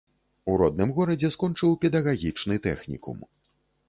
У родным горадзе скончыў педагагічны тэхнікум.